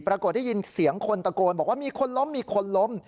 ปรากฏได้ยินเสียงคนตะโกนบอกว่ามีคนล้มมีคนล้ม